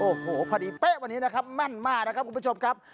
โอ้โหพอดีเป๊ะวันนี้นะครับแม่นมากนะครับคุณผู้ชมครับ